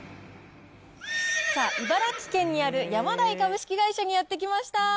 さあ、茨城県にあるヤマダイ株式会社にやって来ました。